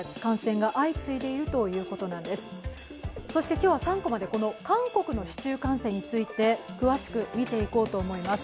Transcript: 今日は３コマで韓国の市中感染について詳しく見ていこうと思います。